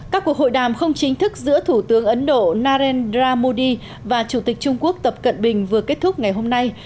các cuộc hội đàm không chính thức giữa thủ tướng ấn độ narendra modi và chủ tịch trung quốc tập cận bình vừa kết thúc ngày hôm nay